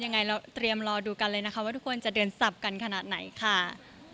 ยังไงเราเตรียมรอดูกันเลยนะคะว่าทุกคนจะเดินสับกันขนาดไหนค่ะ